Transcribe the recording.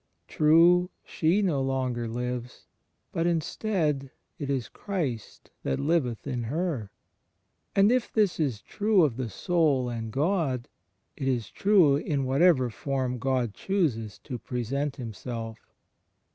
True, she "no longer lives"; but instead it is " Christ that liveth in her." And if this is true of the soul and God, it is true in whatever form God chooses to present Himself.